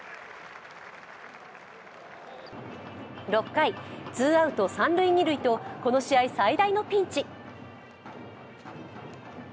６回、ツーアウト三塁・二塁とこの試合、最大のピンチ。